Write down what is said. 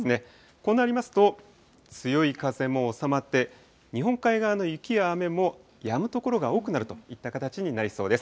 こうなりますと、強い風も収まって、日本海側の雪や雨も、やむ所が多くなるといった形になりそうです。